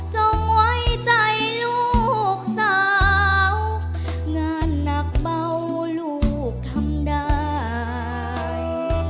จงไว้ใจลูกสาวงานหนักเบาลูกทำได้